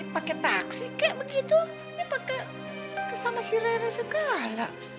pakai taksi kak begitu pakai sama si re re segala